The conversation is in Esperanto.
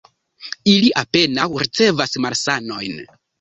Ili apenaŭ ricevas malsanojn.